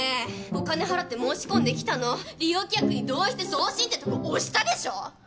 お金払って申し込んできたの利用規約に同意して送信ってとこ押したでしょ